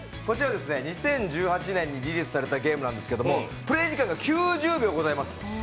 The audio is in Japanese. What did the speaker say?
２０１８年のリリースされたゲームなんですけれども、プレー時間が９０秒ございます。